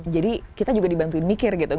jadi kita juga dibantuin mikir gitu